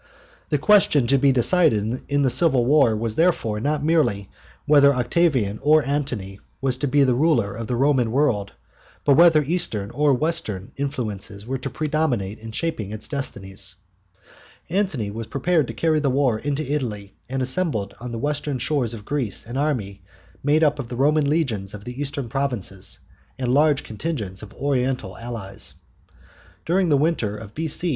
The question to be decided in the civil war was therefore not merely whether Octavian or Antony was to be the ruler of the Roman world, but whether Eastern or Western influences were to predominate in shaping its destinies. Antony was preparing to carry the war into Italy, and assembled on the western shores of Greece an army made up of the Roman legions of the eastern provinces and large contingents of Oriental allies. During the winter of B.C.